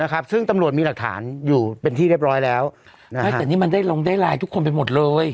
ครับซึ่งตำรวจมีหลักฐานอยู่เป็นที่เรียบร้อยแล้วไม่แต่นี่มันได้ลงได้ไลน์ทุกคนไปหมดเลย